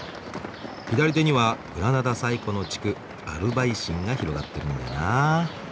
左手にはグラナダ最古の地区アルバイシンが広がってるんだよな。